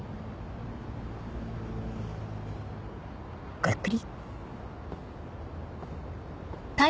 ごゆっくり。